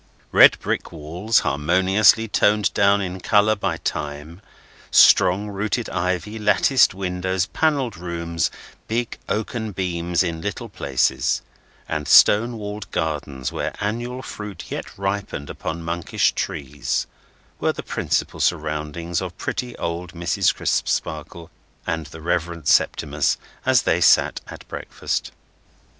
Red brick walls harmoniously toned down in colour by time, strong rooted ivy, latticed windows, panelled rooms, big oaken beams in little places, and stone walled gardens where annual fruit yet ripened upon monkish trees, were the principal surroundings of pretty old Mrs. Crisparkle and the Reverend Septimus as they sat at breakfast.